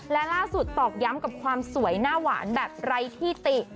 และล่าสุดตอกย้ำกับความสวยหน้าหวานแบบไร้ที่ติ